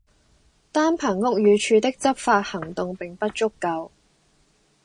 單憑屋宇署的執法行動並不足夠